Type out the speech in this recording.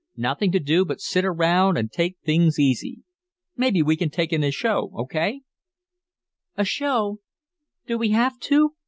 Nothing to do but sit around and take things easy. Maybe we can take in a show. Okay?" "A show? Do we have to?